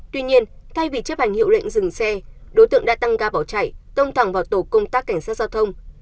tuy nhiên thay vì chấp hành hiệu lệnh dừng xe đối tượng đã tăng ga bỏ chạy tông thẳng vào tổ công tác cảnh sát giao thông